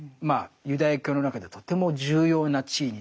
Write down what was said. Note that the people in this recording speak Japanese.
ユダヤ教の中ではとても重要な地位に立つ人ですね。